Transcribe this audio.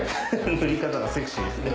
塗り方がセクシーですね。